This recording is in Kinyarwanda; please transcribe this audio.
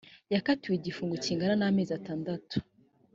yakatiwe igifungo kigana n amezi atandatu